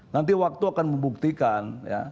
nanti waktu akan membuktikan